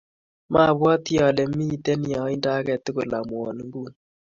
mabwoti ale miten yaindo age tugul amwoun nguni